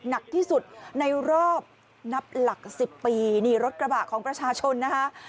หนักที่สุดในรอบนับหลักสิบปีนี่รถกระบะของประชาชนนะคะ